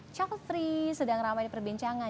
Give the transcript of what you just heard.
childfree sedang ramai di perbincangan